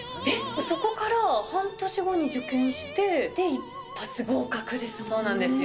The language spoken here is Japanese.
そこから半年後に受験して、そうなんですよ。